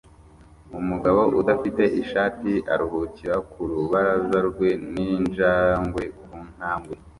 Umugabo udafite ishati aruhukira ku rubaraza rwe ninjangwe ku ntambwe